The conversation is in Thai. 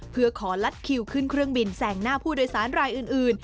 เพื่อขอลัดคิวขึ้นเครื่องบินแสงหน้าผู้โดยสารรายอื่น